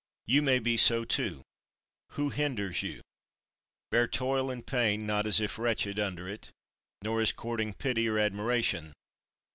You may be so too. Who hinders you? 12. Bear toil and pain, not as if wretched under it, nor as courting pity or admiration.